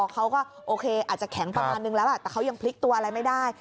เขาก็โอเคอาจจะแข็งประมาณนึงแล้วแหละแต่เขายังพลิกตัวอะไรไม่ได้